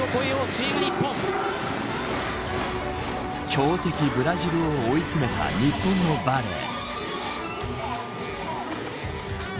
強敵ブラジルを追い詰めた日本のバレー。